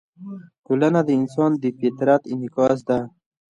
ټولنه د انسان د فطرت انعکاس ده.